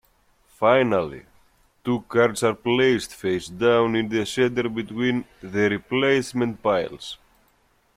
Finally, two cards are placed face down in the center between the replacement piles.